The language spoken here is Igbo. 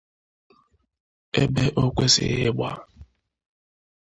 ebe o kwesighị ịgba